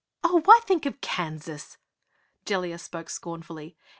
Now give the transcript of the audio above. "Oh, why think of Kansas?" Jellia spoke scornfully.